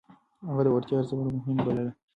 هغه د وړتيا ارزونه مهمه بلله.